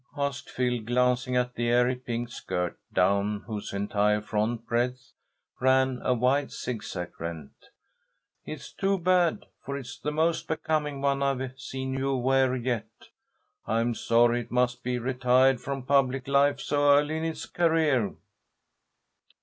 asked Phil, glancing at the airy pink skirt, down whose entire front breadth ran a wide, zigzag rent. "It's too bad, for it's the most becoming one I've seen you wear yet. I'm sorry it must be retired from public life so early in its career."